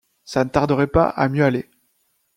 ça ne tarderait pas à mieux aller !